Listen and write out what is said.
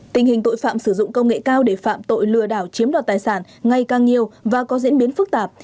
tình hình tội phạm sử dụng công nghệ cao để phạm tội lừa đảo chiếm đoạt tài sản ngày càng nhiều và có diễn biến phức tạp